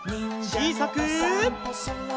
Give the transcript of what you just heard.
ちいさく。